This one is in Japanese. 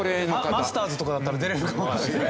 マスターズとかだったら出れるかも。